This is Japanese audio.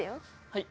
はい。